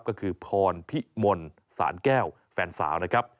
ก็คือพรพิมลสารแก้วแฟนสาวนะครับ